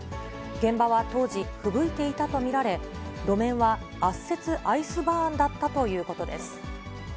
現場は当時、ふぶいていたと見られ、路面は圧雪アイスバーンだったということです。